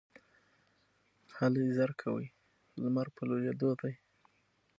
هلئ ژر کوئ ! لمر په لوېدو دی